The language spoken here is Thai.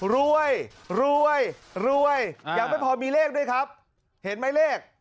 รวยรวยยังไม่พอมีเลขด้วยครับเห็นไหมเลข